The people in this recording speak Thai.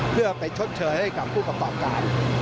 เพื่อไปชดเชยให้กับผู้ประกอบการ